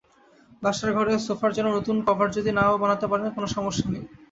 বসার ঘরের সোফার জন্য নতুন কভার যদি না-ও বানাতে পারেন, কোনো সমস্যা নেই।